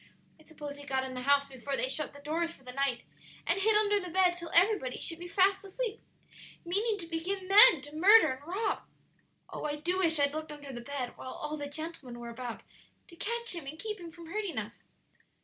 I suppose he got in the house before they shut the doors for the night, and hid under the bed till everybody should be fast asleep, meaning to begin then to murder and rob. Oh, I do wish I'd looked under the bed while all the gentlemen were about to catch him and keep him from hurting us!